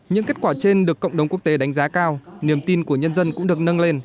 những kết quả trên được cộng đồng quốc tế đánh giá cao niềm tin của nhân dân cũng được nâng lên